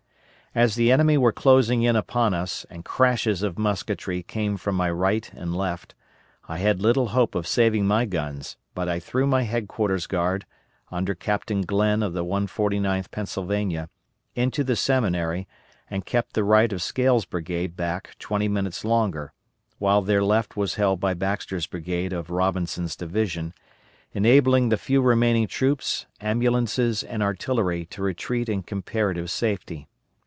As the enemy were closing in upon us and crashes of musketry came from my right and left, I had little hope of saving my guns, but I threw my headquarters guard, under Captain Glenn of the 149th Pennsylvania, into the Seminary and kept the right of Scales' brigade back twenty minutes longer, while their left was held by Baxter's brigade of Robinson's division, enabling the few remaining troops, ambulances, and artillery to retreat in comparative safety.